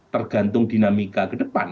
tergantung dinamika kedepan